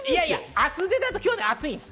厚手だと今日は暑いです。